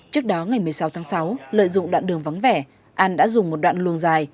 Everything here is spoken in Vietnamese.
trước đó ngày một mươi sáu tháng sáu lợi dụng đoạn đường vắng vẻ an đã dùng một đoạn luồng dài